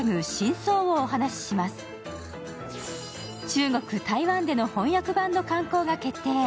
中国、台湾での翻訳版の刊行が決定。